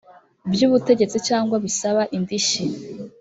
by ubutegetsi cyangwa bisaba indishyi